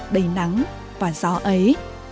đầy nắng và gió ấy